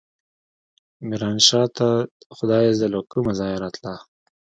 ميرانشاه ته خدايزده له کوم ځايه راته.